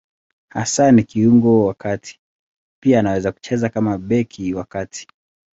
Hasa ni kiungo wa kati; pia anaweza kucheza kama beki wa kati.